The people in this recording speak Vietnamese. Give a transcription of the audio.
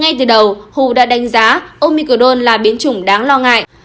ngay từ đầu hùng đã đánh giá omicron là biến chủng đáng lo ngại